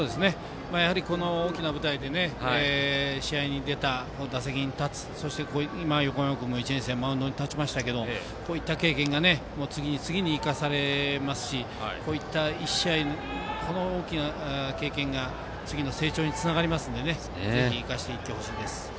やはりこの大きな舞台で試合に出た打席に立つ、横山君も１年生でマウンドに立ちましたけどこういった経験が次に生かされますしこういった１試合この大きな経験が次の成長につながりますのでぜひ生かしていってほしいです。